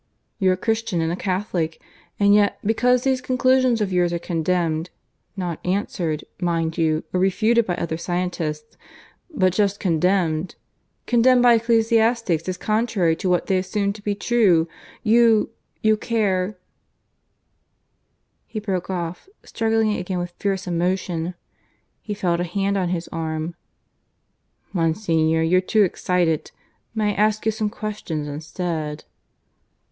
"You're a Christian and a Catholic. And yet, because these conclusions of yours are condemned not answered, mind you, or refuted by other scientists but just condemned condemned by ecclesiastics as contrary to what they assume to be true you ... you care " He broke off, struggling again with fierce emotion. He felt a hand on his arm. "Monsignor, you're too excited. May I ask you some questions instead?"